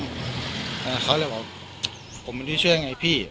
ใครเขาเรื่องผมไม่ได้ช่วยยังไงพี่